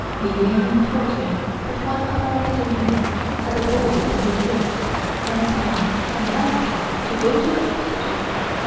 Li Lien Ying told me that one of our little eunuchs had a boil on his wrist and someone advised him to go to the hospital.